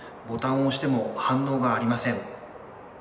ボタンを押しても反応がありません。